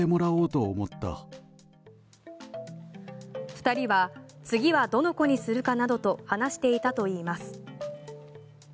２人は次はどの子にするかなどと話していたといいます。